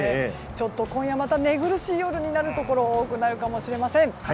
今夜また寝苦しい夜になるところ多くなるかもしれません。